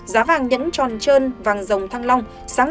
giá vàng nhẫn tròn trơn vàng dòng thăng long